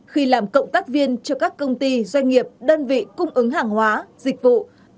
khi làm cộng tác viên cho các công ty doanh nghiệp đơn vị cung ứng hàng hóa dịch vụ